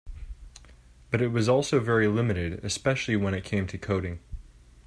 But it was also very limited, especially when it came to coding.